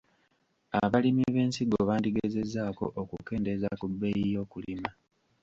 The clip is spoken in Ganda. Abalimi b’ensigo bandigezezzaako okukendeeza ku bbeeyi y’okulima.